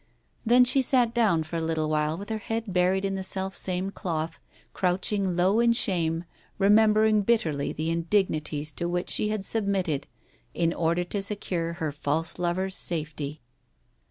Then she* sat down for a little while with her head buried in the self same cloth, crouching low in shame, remembering bitterly the indignities to which she had submitted in order to secure her false lover's safety.